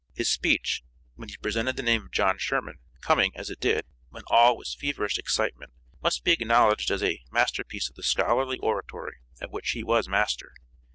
His speech, when he presented the name of John Sherman, coming, as it did, when all was feverish excitement, must be acknowledged as a master piece of the scholarly oratory of which he was master.